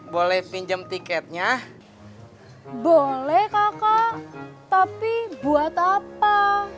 boleh kakak tapi buat apa